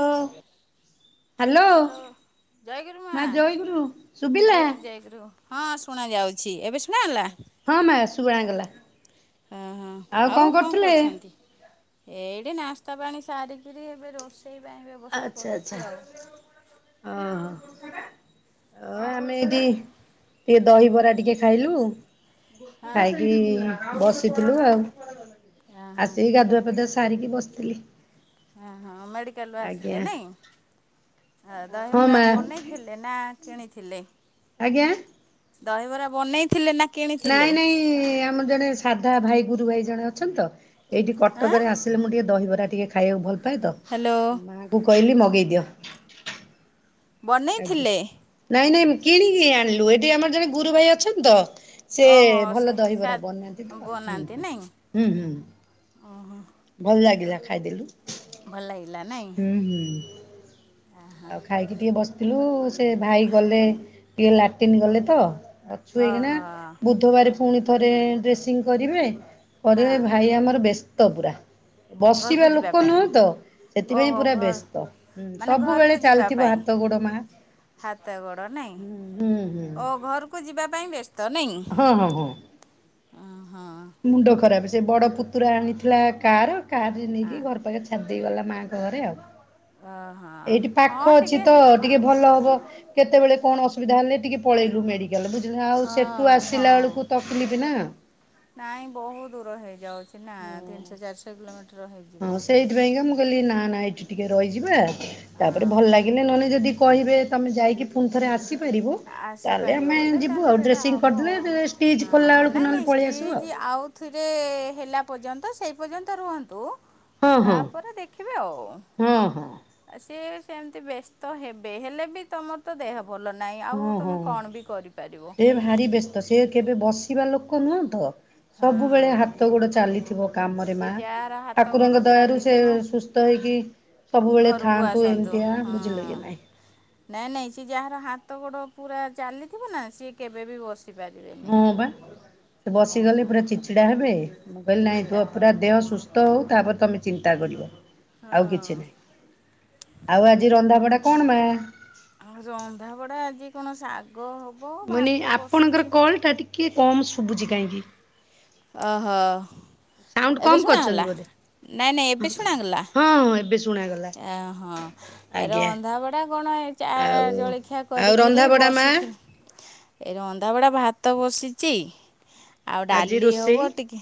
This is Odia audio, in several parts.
ଓ। ହ୍ୟାଲୋ ହ୍ୟାଲୋ ମା ଜୟଗୁରୁ ଶୁଭିଲା। ଜୟଗୁରୁ ଜୟଗୁରୁ ହଁ ଶୁଣା ଯାଉଛି ଏବେ ଶୁଣାଗଲା ହଁ ମା ଶୁଭାଗଲା ହଁ ହଁ ଆଉ କଣ କରୁଥିଲେ? କରୁଛନ୍ତି? ଏଇଠି ନାସ୍ତା ପାଣି ସାରିକିରି ଏବେ ରୋଷେଇ ପାଇଁ ବ୍ୟବସ୍ଥା ଆଛା କରୁଛି ଆଛା ଆଉ ଅହ। ଅ ଆମେ ଏଠି ଟିକେ ଦହିବରା ଟିକେ ଖାଇଲୁ। ହଁ ଖାଇକି ବସିଥିଲୁ ଆଉ। ହଁ ଆସିକି ହଁ ଗାଧୁଆ ପାଧୁଆ ସାରିକି ବସିଥିଲି। ହଁ ହଁ ମେଡି କାଲ୍ ଆସିଲେ ଆଜ୍ଞା ନାଇଁ ହଁ ଦହିବରା ମା ବନେଇଥିଲେ ନା କିଣିଥିଲେ? ଆଜ୍ଞା। ଦହିବରା ବନେଇଥିଲେ ନା। ନାଇଁ କିଣିଥିଲେ ନାଇଁ ଆମର ଜଣେ ସାଧା ଭାଇ ଗୁରୁ ଭାଇ ଜଣେ ଅଛନ୍ତି ତ ଏଇଠି ଆଁ କଟକରେ ଆସିଲେ ମୁଁ ଟିକେ ଦହିବରା ଟିକେ ଖାଇବାକୁ ଭଲ ପାଏ ତ ହ୍ୟାଲୋ ମାକୁ କହିଲି ମଗେଇଦିଅ। ଆଜ୍ଞା ବନେଇଥିଲେ ନାଇଁ ନାଇଁ କିଣିକି ଆଣିଲୁ ଏଠି ଆମର ଜଣେ ଗୁରୁ ଭାଇ ଅଛନ୍ତି ତ ସେ ଓହୋ ସେ ଭଲ ସା ଦହିବରା ବନାନ୍ତି ତ ହୁଁ ବନାନ୍ତି ନାଇଁ ହୁଁ ହୁଁ। ଭଲ ଲାଗିଲା ଖାଇଦେଲୁ। ଭଲ ଲାଗିଲା ନାଇଁ ହୁଁ ହୁଁ। ଆଉ ଖାଇକି ଟିକେ ବସିଥିଲୁ ସେ ଭାଇ ଗଲେ ଟିକେ ଲାଟିନ୍ ଗଲେ ତ ଅଛୁ ହେଇକିନା ଓହୋ ବୁଧବାର ପୁଣି ଥରେ ଡ୍ରେସିଂ କରିବେ ପରେରେ ହଁ ଭାଇ ଆମର ବ୍ୟସ୍ତ ପୁରା ବସିବା ଘରକୁ ଯିବା ଲୋକ ପାଇଁ ନୁହଁ ତ ସେଥିପାଇଁ ଓହୋ ପୁରା ଘର ବ୍ୟସ୍ତ ହୁଁ ମାନେ ସବୁବେଳେ ଘରକୁ ଯିବା ଚାଲିଥିବ ପାଇଁ ହାତ ଗୋଡ ମା ହାତ ଗୋଡ ନାଇଁ ହୁଁ ହୁଁ ହୁଁ ଓ ଘରକୁ ଯିବା ପାଇଁ ବ୍ୟସ୍ତ ନାଇଁ ହଁ ହଁ ହଁ। ହଁ ମୁଣ୍ଡ ଖରାପ ସେ ବଡ ପୁତୁରା ଆଣିଥିଲା କାର କାରରେ ହଁ ନେଇକି ଘର ପାଖରେ ଛାଡି ଦେଇଗଲା ମାଆଙ୍କ ଘରେ ଆଉ। ହଁ ଏଇଠି ହଁ ପାଖ ଅଛି ଟିକେ ତ ଟିକେ ଭଲ ହବ କେତେବେଳେ କଣ ଅସୁବିଧା ହେଲେ ଟିକେ ପଳେଇଲୁ ମେଡି ବୁଝିଲ ଆଉ ହଁ ସେଠୁ ଆସିଲା ହଁ ବେଳକୁ ତକଲିଫ ନା। ନାଇଁ ବହୁ ଦୂର ହେଇଯାଉଛି ନା ତିନିଶହ ଚାରିଶହ କିଲୋମିଟର ହଁ ହେଇଯିବ। ସେଇଥିପାଇଁକା ମୁଁ କହିଲି ନା ନା ଏଠି ଟିକେ ରହିଯିବା ତାପରେ ହଁ ଭଲ ଲାଗିଲେ ନହେଲେ ଯଦି କହିବେ ତମେ ଯାଇକି ପୁଣି ଥରେ ଆସିପାରିବ? ତାହେଲେ ଆସିପାରିବ ଆମେ ବୋଲେ ଯିବୁ ତାହେଲେ ଆଉ ସେଟା ଡ୍ରେସିଂ ହବ କରିଦେଲେ ଷ୍ଟିଚ୍ ଖୋଲିଲା ଆଉ ବେଳକୁ ନାଇଁ ନହେଲେ ନାଇଁ ପଳେଇ ଆସିବୁ ଷ୍ଟିଜ ଆଉ। ଆଉଥରେ ହେଲା ପର୍ଯ୍ୟନ୍ତ ସେଇ ପର୍ଯ୍ୟନ୍ତ ରୁହନ୍ତୁ। ହଁ ହଁ ତାପରେ ଦେଖିବେ ଆଉ ହଁ ହଁ ସେ ସେମିତି ବ୍ୟସ୍ତ ହେବେ ହେଲେ ବି ତମର ତ ଦେହ ଭଲ ନାହିଁ ଆଉ ଓ ହଁ ତମେ କଣ ବି କରିପାରିବ ସେ ଭାରିି ବେସ୍ତ ସେ କେବେ ବସିବା ଲୋକ ନୁହଁ ତ ସବୁବେଳେ ହଁ ହାତ ଗୋଡ ଚାଲିଥିବ। କାମରେ ମା ସିଏ ଯାହାର ହାତ ଗୋଡ଼ ଠାକୁରଙ୍କ ଦୟାରୁ ସେ ଚାଲିଥିବ ସୁସ୍ଥ ହେଇକି ସବୁବେଳେ ଘରକୁ ଥାଆନ୍ତୁ ଆସନ୍ତୁ ଏମିତିଆ ହଁ ବୁଝିଲେ କି ନାହିଁ? ନାଇଁ ନାଇଁ ସିଏ ଯାହାର ହାତ ଗୋଡ ପୁରା ଚାଲିଥିବ ନା ସିଏ କେବେ ବି ବସି ପାରିବେନି ହଁ ବା ସେ ବସିଗଲେ ପୁରା ଚିଡ୍ ଚିଡା ହେବେ ମୁଁ କହିଲି ନାହିଁ ଚିଚିଡ଼ା ତୁ ହେବେ ପୁରା ଦେହ ସୁସ୍ଥ ହଉ ତାପରେ ତମେ ଚିନ୍ତା କରିବ। ଆଉ ହଁ କିଛି ନାହିଁ। ଆଉ ଆଜି ରନ୍ଧାବଢା କଣ ମା? ଆଉ ରନ୍ଧାବଢ଼ା ଆଜି କଣ ଶାଗ ହବ ମାନେ ଭାତ ଆପଣଙ୍କର ବସିଛି କଲ ଟା ଟିକେ କମ ଶୁଭୁଛି କାହିଁକି। ଓହୋ। ସାଉଣ୍ଡ ଏବେ କମ ଶୁଣାଗଲା କରିଛନ୍ତି ବୋଧେ ନାଇଁ ନାଇଁ ଏବେ ଶୁଣାଗଲା ହଁ ହଁ ଏବେ ଶୁଣାଗଲା ଏ ହଁ ଆଜ୍ଞା ରନ୍ଧାବଡା କଣ ଚା ଆଉ ଜଳଖିଆ ଆଉ କରିକିରି ରନ୍ଧାବଢ଼ା ମା ବସିଥିଲି। [inaudible] ଏ ରନ୍ଧାାବଡା ଭାତ ବସିଛି ଆଉ ଡାଲି ଆଜି ଲି ରୋଷେଇ ହବ ଟିକେ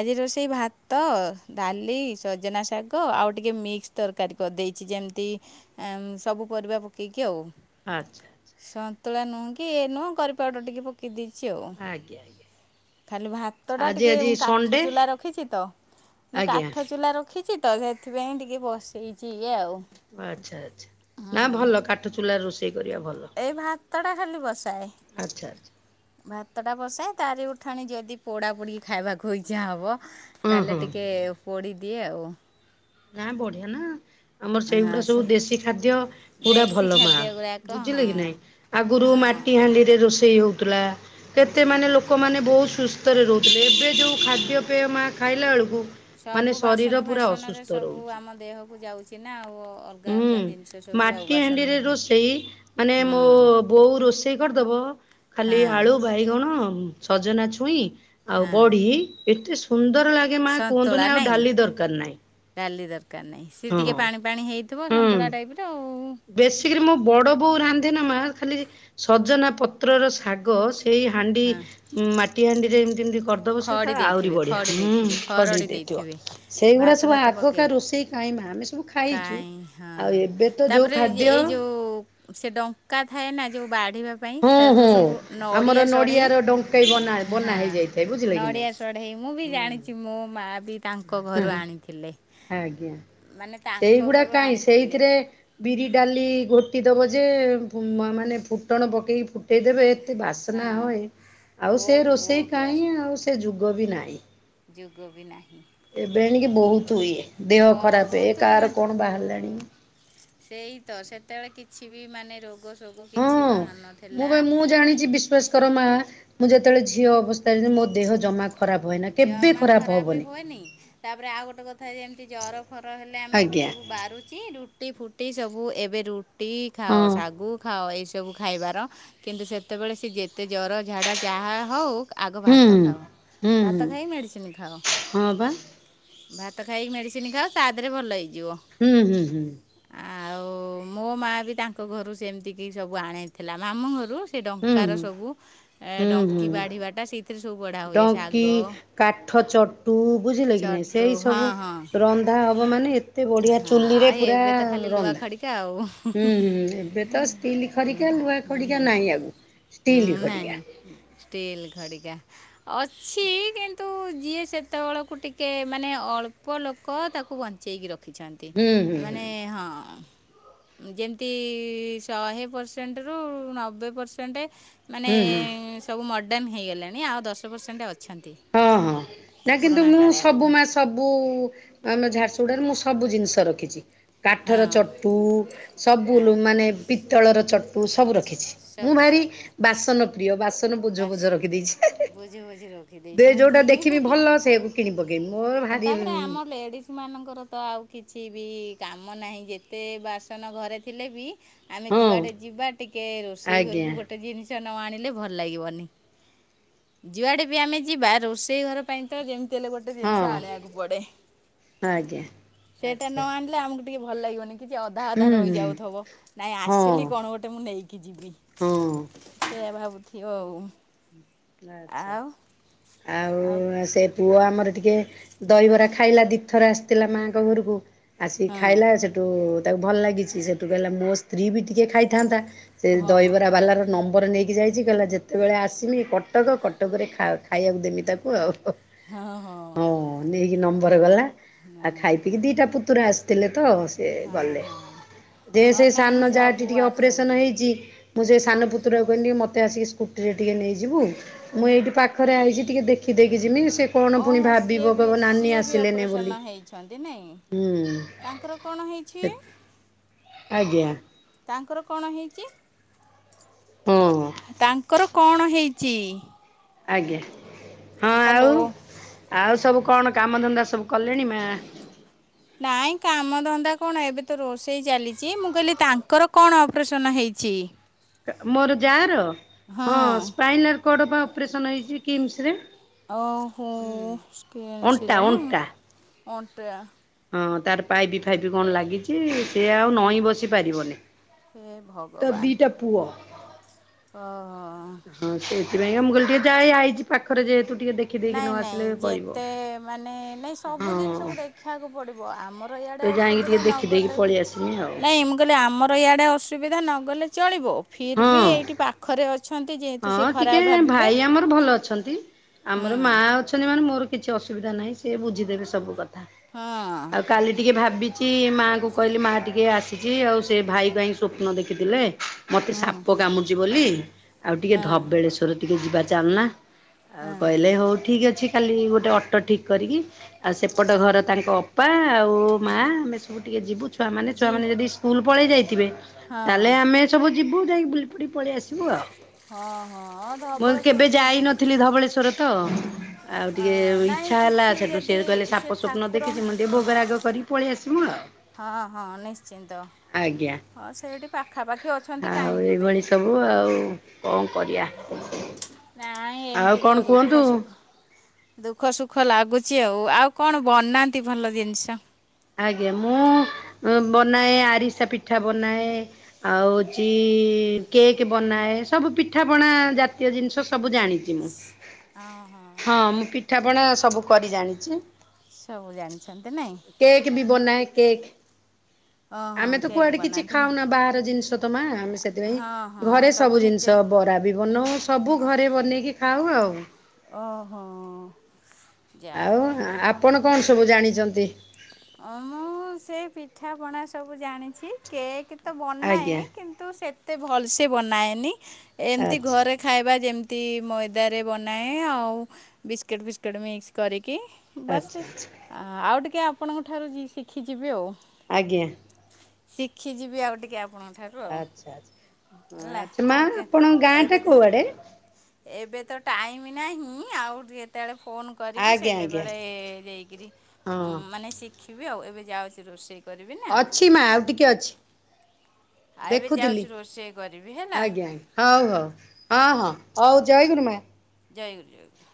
ଆଜି ରୋଷେଇ ଭାତ ଭାତ ଡାଲି ସଜନା ଶାଗ ଆଉ ଟିକେ ମିକ୍ସ ତରକାରୀ କରିଦେଇଛି ଯେମିତି ସବୁ ପରିବା ପକେଇକି ଆଉ। ଆଚ୍ଛା ଆଚ୍ଛା। ନ୍ତୁଳା ନୁଁ କି ଏ ନୁହଁ କରି ପାଉଡର ଟିକେ ପକେଇ ଦେଇ ଆଜ୍ଞା ଆଜ୍ଞା। ଭାତ ଟା ଆଜି ଟିକେ ଆଜି ମୁ କାଠ ସଣ୍ଡେ ଚୁଲା ରଖିଛି ତ ମ ଆଜ୍ଞା କାଠ ଚୁଲା ର ରଖିଛି ତ ସେଥିପାଇଁ ଟିକେ ବସେଇଛି ଇଏ ଆଉ। ଆଚ୍ଛା ଆଚ୍ଛା ନା ଭଲ କାଠ ଚୁଲାର ରୋଷେଇ କରିବା ଭଲ ଏଇ ଭାତ ଟା ଖାଲି ବସାଏ। ଆଚ୍ଛା ଆଚ୍ଛା ଭାତ ଟା ବସାଏ ତାରି ଉଠାଣି ଯଦି ପୋଡ଼ା ପୋଡ଼ିି ଖାଇବାକୁ ଇଚ୍ଛା ହବ ହୁଁ ତାହେଲେ ହୁଁ ଟିକେ ପୋଡ଼ି ଦିଏ ଆଉ। ନା ବଢିଆ ନା ଆମର ସେଇଗୁଡା ସବୁ ସେ ଦେଶୀ ଖାଦ୍ୟ ପୁରା ଦେଶୀ ଭଲ ମା ଖାଦ୍ୟ ଗୁଡ଼ାକ ବୁଝିଲେ କି ହଁ ନାଇଁ ଆଗରୁ ହଁ ମାଟି ହାଣ୍ଡି ରେ ରୋଷେଇ ହଉଥିଲା। କେତେ ରୋଷେଇ ମାନେ ହଉଥିଲା ଲୋକମାନେ ବହୁତ ସୁସ୍ଥରେ ରହୁଥିଲେ ଏବେ ଏବେ ଯୋଉ ହଁ ଖାଦ୍ୟ ପେୟ ମା ଖାଇଲା ବେଳକୁ ମାନେ ସବୁ ବାସନ ଶରୀର ପୁରା ଫାସନରେ ଅସୁସ୍ଥ। ସବୁ ରହୁଛି ଆମ ଦେହକୁ ଯାଉଛି ନା ଆଉ ଅଲଗା ହୁଁ ଅଲଗା ଜିନିଷ ସବୁ ଆଉ ମାଟି ବାସନ ହାଣ୍ଡିରେ ବା ରୋଷେଇ ମାନେ ମୋ ବୋଉ ରୋଷେଇ କରିଦବ ହଁ ଖାଲି ଆଳୁ ବାଇଗଣ କ ସଜନା ଛୁଇଁ ଆଉ ହଁ ବଢ଼ି ଏତେ ସୁ ସନ୍ତୁଳା ନାଇଁ ଦରକାର ନାହିଁ। ଡାଲି ଦରକାର ଦରକାର ନାହିଁ ସିଏ ଟିକେ ହଁ ପାଣି ପାଣି ହେଇଥିବ ହୁଁ ସନ୍ତୁଳା ଟାଇପ ର ଆଉ। ବେଶୀକରି ମୋ ବଡ ବୋଉ ରାନ୍ଧେନା ମା ଖାଲି ସଜନା ପତ୍ରର ଶାଗ। ସେଇ ହାଣ୍ଡି ହଁ ମାଟି ହାଣ୍ଡିରେ ଏମତି ଏମିତି କରିଦବ ସେ ଖଡ଼ି ଆହୁରି ଦେଇଥିବେ ବଢିଆ ଖଡ଼ି ହଁ ଦେଇଥିବେ ଛଡ଼େଇ ଖରଡ଼ି ଦେଇଥିବ ଦେଇଥିବେ ସେଇଗୁଡ଼ା ଭାତ ସବୁ ଫାତ ଆଗକା ପକାଇ ରୋଷେଇ କ ମ ଆମେ ସବୁ ଖାଇଛୁ କାଇଁ ଆଉ ହଁ ଏବେ ତ ଯୋଉ ତାପରେ ଏଇ ଖାଦ୍ୟ ଯୋଉ ସେ ଡଙ୍କା ଥାଏ ନା ଯୋଉ ବାଡ଼ି ହଁ ହଁ ଆମର ସଢ଼େଇ ନଡିଆର ଡଙ୍କେଇ ବ ହଁ ବନା ହେଇଯାଇଥାଏ ବୁଝିଲ। ନଡ଼ିଆ ଚଢେଇ ମୁଁ ବି ଜାଣିଛି ମୋ ମା ବି ତାଙ୍କ ଘରୁ ହୁଁ ଆଣିଥିଲେ। ଆଜ୍ଞା ମାନେ ତାଙ୍କ ସେଇଗୁଡା ଘରୁ କାହିଁ ଆଣିଥିଲେ ସେଇଥିରେ ବିରି ଡାଲି ଘୋଟି ଦେବ ଯେ ମ ମାନେ ଫୁଟଣ ପକାଇକି ଫୁଟାଇ ଦେବେ ବାସ୍ନା ହଁ ହୁଏ ଆଉ ସେ ବହୁତ ରୋଷେଇ ବହୁତ କାହିଁ ଆଉ ସେ ଯୁଗ ବି ନାହିଁ। ଯୋଗ ବି ନାଇଁ। ଏବେଣି କି ବହୁତ ହୁଏ ଦେହ ଖରାପ ହୁଏ କାହାର କଣ ବାହାରିଲାଣି। ବହୁତ ସେଇ ତ ସେତେବେଳେ କିଛି ବି ମାନେ ରୋ ହୁଁ ମୁଁ ବା ମୁଁ ଜାଣିଛି ବିଶ୍ଵାସ କର ମା ମୁଁ ଯେ ଯେତେବେଳେ ଝିଅ ଅବସ୍ତାରେ ଯେ ମୋ ଦେହ ଜମା ଖରାପ ହୁଏନା କେବେ ଜମା ଖରାପ ହବନି ହୁଏନି ତାପରେ ଆଉ ଗୋଟେ କଥା ଏମିତି ଜର ଫର ହେଲେ ଆମେ ଏବେ ଆଜ୍ଞା। ସବୁ ବାରୁଛିି ରୁଟି ଫୁଟି ସବୁ ଏବେ ରୁ ରୁଟି ଖାଅ ହଁ ଶାଗୁ ଖାଅ ଏଇସବୁ ଖାଇବାର କିନ୍ତୁ ସେତେବେଳେ ସିଏ ଯେ ତେ ଜର ଝାଡ଼ା ଯାହା ହଉ ଆଗ ହୁଁ ଭାତ ହୁଁ ଖାଅ। ହୁଁ ଭାତ ହୁଁ ଖାଇ ମେଡ଼ିସିନ ଖାଅ ହଁ ବା [inaudible] ଭାତ ଖାଇ ମେଡ଼ିସିନ ଖାଅ ତାଧୀରେ ଭଲ ହେଇଯିବ। ହୁଁ ହୁଁ ହୁଁ। ଆଉ ମୋ ମାଆ ବି ତାଙ୍କ ଘରୁ ସେମିତିକି ସବୁ ଆଣିଥିଲା ମାମୁଁ ଘରୁ। ସେ ହୁଁ ଡଙ୍କାର ହୁଁ ସବୁ ହୁଁ ଏ-ଡଙ୍କି ହୁଁ ବାଢ଼ିବା ଟା ସେଇଥିରେ ସବୁ ବଢ଼ା ହୁଏ ଶାଗ। ଡଙ୍କି କାଠ ଚଟୁ ବୁଝିଲେ କି ନାଇ ଚଟୁ ସେଇ ହଁ ସବୁ ହଁ ରନ୍ଧା ହବ ମାନେ ଏତେ ବଢିଆ ହଁ ଚୁଲିରେ ଆଉ ପୁରା ଏବେ ତ ଖାଲି ଲୁହା ରନ୍ଧା ଖଡ଼ିକା ଆଉ। ହୁଁ ହୁଁ ଏବେ ତ ଷ୍ଟିଲ ଖରିକା ଲୁହା ଖଡ଼ିକା ନାହିଁ ଆଉ। ଷ୍ଟିଲ ଖଡ଼ିକା। ଷ୍ଟିଲ୍‌। ଖଡ଼ିକା ଅଛି କିନ୍ତୁ ଯିଏ ସେତେବେଳକୁ ଟିକେ ମାନେ ଅଳପ ଲୋ ଲୋକ ତାକୁ ବନଚେଇକି ରଖିଛନ୍ତି ହୁଁ ହୁଁ ମାନେ ହଁ। ଯେମିତି ଶହେ ପରସେଣ୍ଟ ରୁ ନବେ ପରସେଣ୍ଟ ମାନେ ହୁଁ ହୁଁ ସବୁ ମଡେନ୍ ହେଇଗଲାଣି ଆଉ ଦଶ ପରସେଣ୍ଟ ଅ ହଁ ହଁ ନା କିନ୍ତୁ ମୁଁ କାଳିଆ ସବୁ କଥା ମା ସବୁ ଆମ ଝାରସୁଗୁଡ଼ାରେ ମୁଁ ସବୁ ଜିନିଷ ରଖିଛି କାଠର ହଁ ଚଟୁ ହଁ ସବୁୁନୁ ମାନେ ପିତଳର ଚଟୁ ସବୁ ରଖିଛି। ମୁଁ ସବୁ ଭାରି ସବୁ ବାସନ ପ୍ରିୟ ବାସ ବୁଝ ବୁଝ ରଖିଦେଇଛି। [inaudible] ଦେଖ ଦେଖିବି ଦେଇଛନ୍ତି [inaudible] ଭଲ ସେଇଆକୁ କିଣି ପକେଇବି ମୋର ଭାରି ତାପରେ ଆମ ଲେଡିଜ ମାନଙ୍କର ତ ଆଉ କିଛି ବି କାମ ନାହିଁ ଯେତେ ବାସନ ଘରେ ଥିଲେ ବି ଆମେ ହଁ ଯୁଆଡେ ଯିବା ଟିକେ ରୋଷେଇ ଆଜ୍ଞା ଘରକୁ ଗୋଟେ ଜିନିଷ ନ ଆଣିଲେ ଭ ଲାଗିବନି [inaudible] ଯୁଆଡ଼େ ବି ଆମେ ଯିବା ରୋଷେଇଘର ପାଇଁ ତ ଯେମ୍ ତେଲେ ଗୋଟେ ଜିନିଷ ହଁ ଆଣିବାକୁ ପଡ଼େ ଆଜ୍ଞା। [inaudible] ସେଟା ଆଚ୍ଛା ନ ଆଣିଲେ ଆମକୁ ଟିକେ ଭଲ ଲାଗିବନି। କିଛି ଅଧା ଅଧା ହୁଁ ହୁଁ ରହିଯାଉଥିବ ନାଇଁ ହଁ ଆସିଲି କଣ ଗୋଟେ ମୁଁ ନେଇକି ଯିବି। ହଁ ସେଆ ଭାବୁଥିବ ଆଉ। ଆଛା [inaudible] ଆଉ ସେ ପୁଅ ଆମର ଟିକେ ଦହିବରା ଖାଇଲା ଦି ଥର ଆସିଥିଲା ମାଆଙ୍କ ଘରକୁ ଆସିକି ଆଉ ଖାଇଲା ସେଠୁ ତାକୁ ଭଲ ଲାଗିଛି ସେଠୁ କହିଲା ମୋ ସ୍ତ୍ରୀ ବି ଟିକେ ଖାଇଥାନ୍ତା। ସେ ହଁ ହଁ ଦହିବରା ବାଲା ର ନମ୍ବ ପରେ ନେଇକି ଯାଇଛି କହିଲା ଯେତେବେଳେ ଆସିଲି କଟକ କଟକରେ ଖାଉ-ଖାଇବାକୁ ଦେମି ତାକୁ ଆଉ। [inaudible] ହଁ ନେଇକି ନମ୍ବର ଗଲା ଆଉ ଖାଇ ପିଇକି ଦିଟା ପୁତୁରା ଆସିଥିଲେ। ତ ସେ ହଁ ଗଲେ। ହଁ ଦେ ହଁ ସେ ନାଇଁ ସାନ ଯାଆ ଟି ସବୁ ଟିକେ ଅପରେସନ ଆସନ୍ତି ହେଇଛି। ମୁଁ ସେ ସାନ ପୁତ୍ରାକୁ କହିଲି ମତ ମୋତେ ଆସିକି ସ୍କୁଟିରେ ଟିକେ ନେଇଯିବୁ ମୁଁ ଏଇଠି ପାଖରେ ଆଇଛି ଟିକେ ଦେଖିଦେଇକି ଯିମି। ସେ କଣ ପୁଣି ଓହୋ ସିଏ ଭାବିବ ବି କହିବ ନାନୀ ସିଏ ବି ଆସିଲେନି ବୋଲି। ଅପରେସନ୍ ହେଛନ୍ତି ନାଇ। ହୁଁ ତାଙ୍କର କଣ ହଁ ହେଇଛି। ଆଜ୍ଞା। ତାଙ୍କର କଣ ହେଇଛି? ହଁ ତାଙ୍କର କଣ ହେଇଛି? ଆଜ୍ଞା। ହଁ ଆଉ ହାଲୋ। ଆଉ ସବୁ କଣ କାମ ଧନ୍ଦା ସବୁ କଲେଣି ମା? ନାଇଁ କାମ ଧନ୍ଦା କଣ ଏବେ ତ ରୋଷେଇ ଚାଲିଚି। ମୁଁ କହିଲି ତାଙ୍କର କଣ ଅପରେସନ ହେଇ ଛି? ମୋର ଯାଆର? ହଁ ସ୍ପାଇନାଲ୍ କର୍ଡ ବା ଅପରେସନ ହେଇଛି କିମ୍ସ୍ ରେ। ଓହୋ ଅଣ୍ଟା କିମ୍ସରେ ନାଇଁ ଅଣ୍ଟା ଅଣ୍ଟା। ହଁ ତାର ପାଇପି ଫାଇପ୍ କଣ ଲାଗିଚି, ସେ ଆଉ ନଇଁ ବସି ପାରିବନି। ହେ ତା ଭଗବାନ ଦିଟା ପୁଅ। ଓହୋ। ସେଥିପାଇଁକା ମୁଁ କହିଲି ଟିକେ ଯାଏ ଆଇଚି ପାଖରେ ଯେହେତୁ ଟିକେ ଦେଖିଦେଇକି ନ ନାଇଁ ନାଇଁ ଆସିଲେ କହିବ। ଯେତେ ମାନେ ନାଇଁ ସବୁ ହଁ ଜିନିଷକୁ ଦେଖିବାକୁ ପଡିବ। ଆମର ଇଆଡେ ତ ଯାଇକି ଟିକେ ଅସୁବିଧା ନ ଦେଖିଦେଇକି ଗଲେ ବି, ପଳେଇ ଆସିମି ଆଉ। ନାଇଁ ମୁଁ କହିଲି ଆମର ଇଆଡ଼େ ଅସୁବିଧା ନ ଗଲେ ଚଳିବ, ଫିର୍ ବି ହଁ ଏଇଠି ପାଖରେ ଅଛନ୍ତି ଯେହେତୁ ସେ ହଁ ଟିକେ ଖରାପ ଭାବିବେ ଭାଇ ଆମର ଭଲ ଅଛନ୍ତି ହୁଁ ଆମର ମା ଅଛନ୍ତି ମାନେ ମୋର କିଛି ଅସୁବିଧା ନାହିଁ, ସିଏ ବୁଝିଦେବେ ସବୁ କ ଥା। ହଁ ଆଉ କାଲି ଟିକେ ଭା ଭାବିଚି ମାଆଙ୍କୁ କହିଲି ମାଆ ଟିକିଏ ଆସିଚି, ଆଉ ସେ ଭାଇ ପାଇଁ ସ୍ୱପ୍ନ ଦେଖିଥିଲେ ମତେ ହଁ ସାପ କାମୁଡିଚି ବୋଲି, ଆଉ ଟିକେ ହଁ। ଧବଳେଶ୍ଵର ଟିକେ ଯିବା ଚାଲୁନା? ଆଉ କହିଲେ ହଉ ଠିକ୍ ଅଛି। କାଲିକି ଗୋଟେ ଅଟୋ ଠିକ୍ କରିକି ଆଉ ସେପଟ ଘର ତାଙ୍କ ଅପା ଆଉ ମାଆ ଆମେ ସବୁ ଟିକେ ଯିବୁ ଛୁଆମାନେ, ଜି ଛୁଆମାନେ ଯଦି ସ୍କୁଲ ପଳେଇ ଯାଇଥିବେ ହଁ ତାହେଲେ ଆମେ ସବୁ ଯିବୁ ଯାଇକି ବୁଲି ପଡ଼ି ପଳେଇ ଆସିବୁ ଆଉ। ହଁ ହଁ ହଁ ମୁଁ କେବେ ଧବଳେଶ୍ଵରେ ଯେଦି ଯି ଯାଇନଥିଲି ଧବଳେଶ୍ଵର ତ ଆଉ ଟିକେ ଇଚ୍ଛା ହେଲା କିଛି ସେଠୁ ସିଏ ଯଦି କହିଲେ ସେ ସାପ ସ୍ୱପ୍ନ ଦେଖିଚି, ଠାକୁରଙ୍କୁ ମୁଁ ଟିକେ ଭୋଗ ରାଗ କରିକି ପଳେଇ ଆସି ହଁ ହଁ ନିଶ୍ଚିନ୍ତ। ଆଜ୍ଞା ହଁ ସେଇଟି ପାଖାପାଖି ଅଛନ୍ତି ଆଉ କାହିଁକି ଏଇଭଳି ଯିବେନି। ସବୁ ଆଉ କଣ କରିଆ? ନାଇଁ ଏମିତି ତ ଦୁଃଖ ସୁଖ ଦୁଃଖ ସୁଖ ଲାଗୁ ଚି ଆଉ। ଆଉ କଣ ବନାନ୍ତି ଭଲ ଜିନଷ? ଆଜ୍ଞା ମୁଁ ବନାଏ ଆରିସା ପିଠା ବନାଏ, ଆଉ ହଉଛି କେକ୍ ବନାଏ, ସବୁ ପିଠାପଣା ଜାତୀୟ ଜିନିଷ ସବୁ ଜାଣିଚି ମୁଁ। ଓହୋ। ପଣା ସବୁ କରି ଜାଣିଚି। ସବୁ ଜାଣିଛନ୍ତି ନାଇଁ? କେକ୍ ବି ବନାଏ କେକ୍। ଅ ଆମେ ତ କୁଆଡେ କିଛି ଖାଉନା ବାହାର ଜିନିଷ ତ ମାଆ। ଆମେ ହଁ ସେଥିପାଇଁ ହଁ ଘରେ ସବୁ ନିଜେ ଜିନିଷ ବରା ବି ବନଉ ସବୁ ଘରେ ବନେଇକି ଖାଉ ଆଉ। ଓହୋ। ଯା ଆଉ ହଉ ଆପଣ କଣ ସବୁ ଜାଣିଚନ୍ତି? ଅ ମୁଁ ସେ ପିଠାପଣା ସବୁ ଜାଣିଛି। କେକ୍ ତ ଆଜ୍ଞା ବନାଏ କିନ୍ତୁ ସେତେ ଏତେ ଭଲସେ ବନାଏନି। ଏମତି ଆଚ୍ଛା ଘରେ ଖାଇବା ଯେମତି ମଇଦାରେ ବନାଏ, ଆଉ ବିଷ୍ଟିଟ୍ ଫିଷ୍ଟିଟ୍ ମିକ୍ସ କରି କି ବାସ୍ ଆଚ୍ଛା ଆଚ୍ଛା ଆଉ ଟିକେ ଆପଣଙ୍କ ଠାରୁ ଶିଖିଯିବି ଆଉ। ଆଜ୍ଞା। ଶିଖି ଯିବି ଆଉ ଟିକେ ଆପ ଆଚ୍ଛା ଆଚ୍ଛା। ହେଲା ଆଚ୍ଛା ମା ଆଉ ଆପଣଙ୍କ ଏବେ ଗାଁଟା ତ କୋଉଆଡ଼େ? ଏବେ ତ ଟାଇମ୍ ନାହିଁ ଆଉ ଯେତେବେଳେ ଫୋନ୍ କରିବି ଆଜ୍ଞା ଆଜ୍ଞା ସେତେବେଳେ ଯାଇକିରି ହଁ ଉମ୍ ଶିଖିବି ଆଉ। ଏବେ ଯାଉଛି ରୋଷେଇ କରିବି ନା ଅଛି ମା ଆଉ ଟିକେ ଅଛି। ଆଉ ଏବେ ଦେଖୁଥିଲି ଯାଉଛି ରୋଷେଇ କରିବି ହେଲା ଆଜ୍ଞା ହଉ ହଉ ହଁ ହଁ ହଉ ଜୟ ଗୁରୁମା। ଜୟ ଗୁରୁ ଜୟ ଗୁରୁ।